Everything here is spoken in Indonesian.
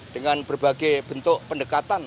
dengan berbagai bentuk pendekatan